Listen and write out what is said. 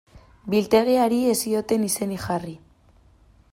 Biltegiari ez zioten izenik jarri.